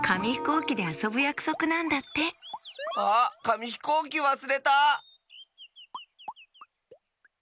うきであそぶやくそくなんだってあっかみひこうきわすれた！